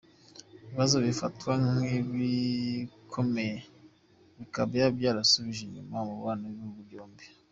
Ibibazo bifatwa nk’ibikomeye bikaba byarasubije inyuma umubano w’ibihugu byombi.